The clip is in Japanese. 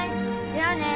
じゃあね。